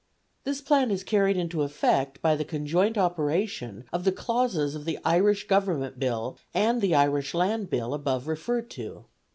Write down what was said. This plan is carried into effect by the conjoint operation of the clauses of the Irish Government Bill and the Irish Land Bill above referred to.